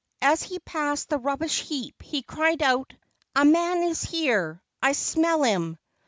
As he passed the rub¬ bish heap he cried out: "A man is here. I smell him."